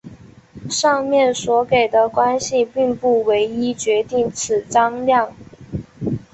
上面所给的关系并不唯一决定此张量。